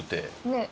ねえ。